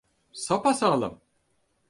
Sapasağlam.